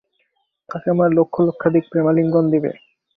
তাকে আমার লক্ষ-লক্ষাধিক প্রেমালিঙ্গন দিবে।